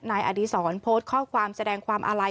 นายอาธิสรโพสต์ข้อความแสดงความอะไร